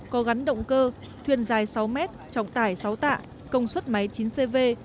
có gắn động cơ thuyền dài sáu mét trọng tải sáu tạ công suất máy chín cv